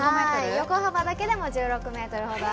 横幅だけでも１６ｍほどありまして。